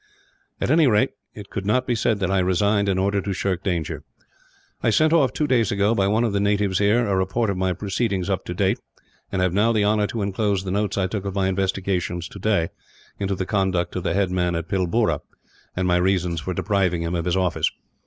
At any rate, it could not be said that I resigned in order to shirk danger. "I sent off two days ago, by one of the natives here, a report of my proceedings up to that date; and have now the honour to inclose the notes I took of my investigations, today, into the conduct of the headman of Pilboora, and my reasons for depriving him of his office.